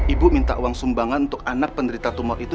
ibu minta uang sumbangan untuk anak penderita tumor itu